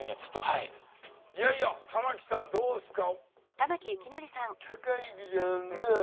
いやいや玉木さんどうですか？